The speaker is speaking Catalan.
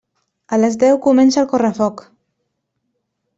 A les deu comença el correfoc.